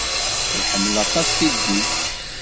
Iḥemmel aṭas tiddit.